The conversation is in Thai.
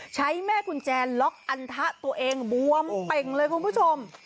แม่กุญแจล็อกอันทะตัวเองบวมเป่งเลยคุณผู้ชม